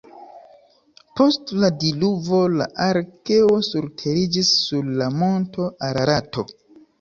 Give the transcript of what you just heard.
Post la diluvo la arkeo surteriĝis sur la monto Ararato.